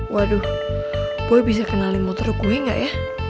waduh gue bisa kenalin motor gue gak ya